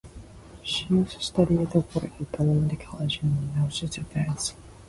She also studied at Ward-Belmont College in Nashville, Tennessee.